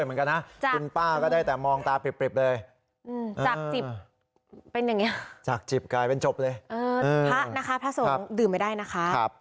แล้วเขาว่าดีใจได้มาหาป้ากับลุง